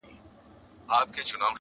لا لرګي پر کوناټو پر اوږو خورمه!.